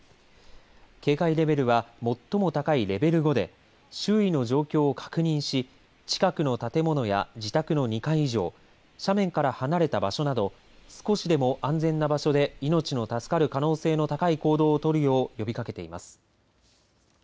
警戒レベルは最も高いレベル５で周囲の状況を確認し近くの建物や自宅の２階以上斜面から離れた場所など少しでも安全な場所で命の助かる可能性の高い行動を取るよう呼びかけています。